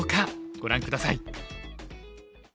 ご覧下さい。